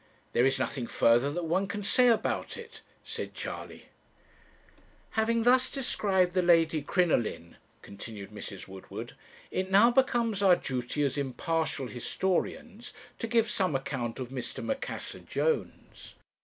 'There is nothing further that one can say about it,' said Charley. "Having thus described the Lady Crinoline,' continued Mrs. Woodward, 'it now becomes our duty, as impartial historians, to give some account of Mr. Macassar Jones.